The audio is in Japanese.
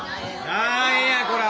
何やこら！